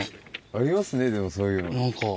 ありますねでもそういうの。